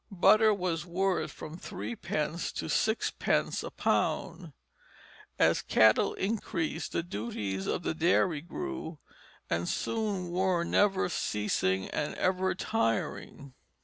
Butter was worth from threepence to sixpence a pound. As cattle increased the duties of the dairy grew, and soon were never ceasing and ever tiring.